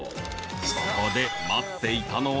［そこで待っていたのは］